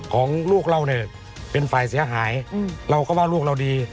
ของลูกเราเนี่ยเป็นฝ่ายเสียหายเราก็ว่าลูกเราดี